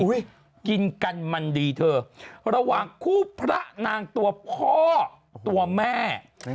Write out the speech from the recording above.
กินกันมันดีเธอระหว่างคู่พระนางตัวพ่อตัวแม่